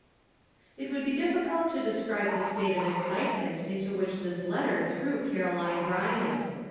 It would be difficult to describe the state of excitement into which this letter threw Caroline Bryant.